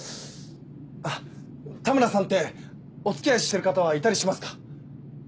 あっ田村さんってお付き合いしてる方はいたりしますか？